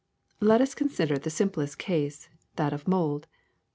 Let us consider the simplest case, that of mold.